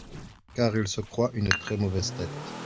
Car il se croit une très mauvaise tête.